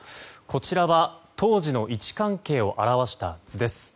こちらは当時の位置関係を現した図です。